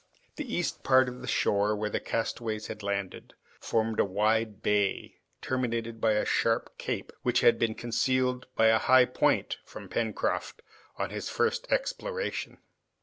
The east part of the shore, where the castaways had landed, formed a wide bay, terminated by a sharp cape, which had been concealed by a high point from Pencroft on his first exploration.